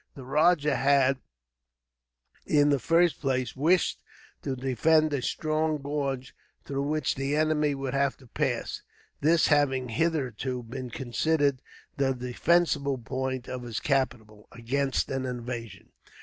The rajah had, in the first place, wished to defend a strong gorge through which the enemy would have to pass; this having hitherto been considered the defensible point of his capital, against an invasion.